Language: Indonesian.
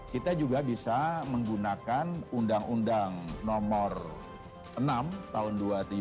kita juga bisa menggunakan undang undang nomor enam tahun dua ribu tiga